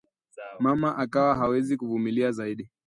Mama akawa hawezi kuvumilia zaidi